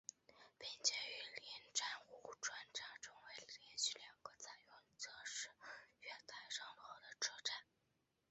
并且与邻站壶川站成为连续两个采用侧式月台上落的车站。